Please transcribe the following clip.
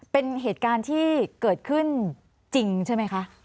เป็นเหตุการณ์ที่เกิดขึ้นจริงใช่ไหมคะ